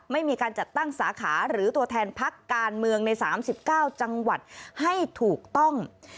ไม่มีการจัดตั้งสาขาหรือตัวแทนพักการเมืองใน๓๙จังหวัดให้ถูกต้อง